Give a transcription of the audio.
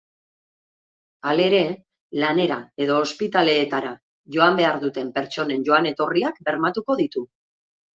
Halere, lanera edo ospitaleetara joan behar duten pertsonen joan-etorriak bermatuko ditu.